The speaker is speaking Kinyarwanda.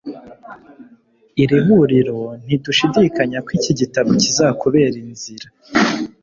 Iriburiro Ntidushidikanya ko iki gitabo kizakubera inzira